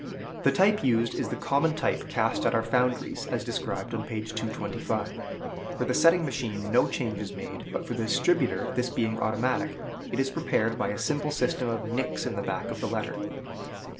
The type used is the common type cast at our foundries, as described on page 225. For the setting machine no change is made, but for the distributer, this being automatic, it is prepared by a simple system of nicks in the back of the letter.